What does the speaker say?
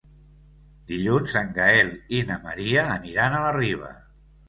Dilluns en Gaël i na Maria aniran a la Riba.